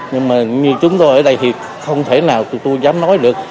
nhưng mà như chúng tôi ở đây thì không thể nào tụi tôi dám nói được